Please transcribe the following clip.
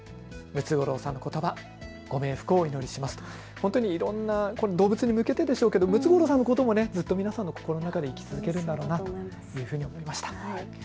本当に動物に向けてでしょうけどムツゴロウさんのこともずっと皆さんの心の中で生き続けるということなんだなと思いました。